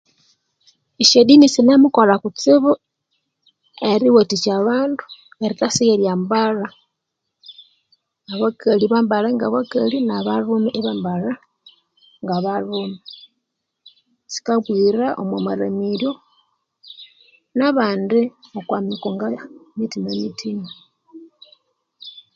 Esyadini sinemukolha kutsibu eriwathikya abandu erithasigha eryambalha abakali bambale ngabakali nabalhume bambale ngaba balhume sikabughira omu maramiryo nabandi okwa mikonga muthina muthina